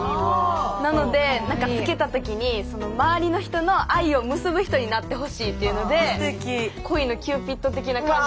なのでつけた時に周りの人の愛を結ぶ人になってほしいっていうので恋のキューピッド的な感じで。